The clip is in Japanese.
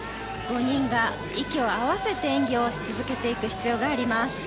５人が息を合わせて演技をし続けていく必要があります。